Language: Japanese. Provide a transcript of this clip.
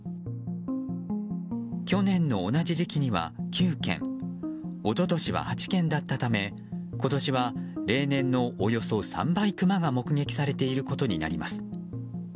去年の同じ時期には９件一昨年は８件だったため今年は例年のおよそ３倍、クマが目撃されていることになります。